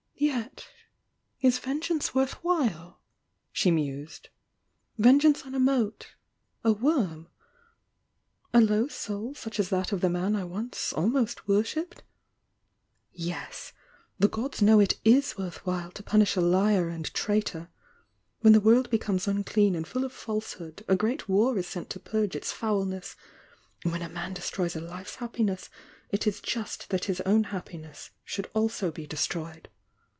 "Yet^is vengeance worth while?" she mused— "Vengeance on a mote — a worm — a low soul such as that of the man I once almost worshipped? Yes! — the gods know it is worth while to punish a liar and traitor! When the world becomes unclean and full of falsehood a great Tnr is sent to purge its foulnaw, — when a man destroys a life's happiness it is just that his own happiness should also be destroyed."